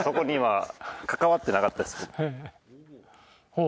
ほう。